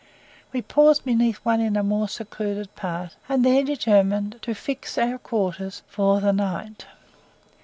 We paused beneath one in a more secluded part, and there determined to fix our quarters for the night.